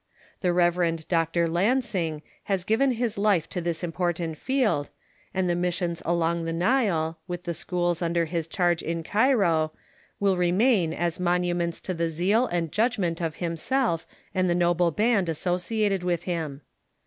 The Rev. Dr. Lansing has given his life to this important field, and the missions along the Nile, with the schools under his charge in Cairo, will remain as monuments to the zeal and judgment of himself and the noble band associated with him.